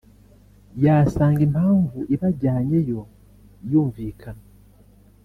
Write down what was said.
yasanga impamvu ibajyanyeyo yumvikana